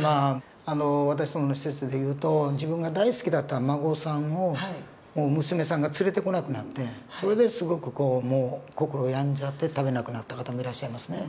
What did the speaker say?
まあ私どもの施設で言うと自分が大好きだったお孫さんを娘さんが連れてこなくなってそれですごく心病んじゃって食べなくなった方もいらっしゃいますね。